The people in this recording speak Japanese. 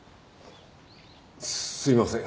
すいません。